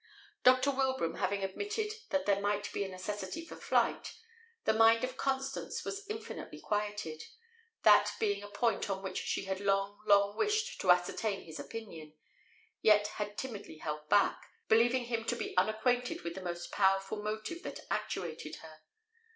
Dr. Wilbraham having admitted that there might be a necessity for flight, the mind of Constance was infinitely quieted, that being a point on which she had long, long wished to ascertain his opinion, yet had timidly held back, believing him to be unacquainted with the most powerful motive that actuated her.